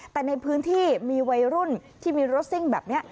แต่ในพื้นที่มีวัยรุ่นที่มีรถซิ่งแบบนี้